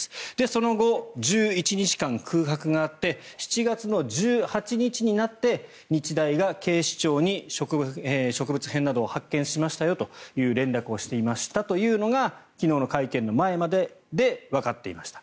その後、１１日間空白があって７月１８日になって日大が警視庁に植物片などを発見しましたよという連絡をしていましたというのが昨日の会見の前まででわかっていました。